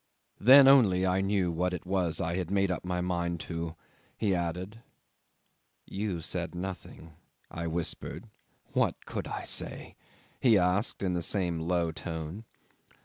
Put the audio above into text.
"Then only I knew what it was I had made up my mind to," he added. '"You said nothing," I whispered. '"What could I say?" he asked, in the same low tone.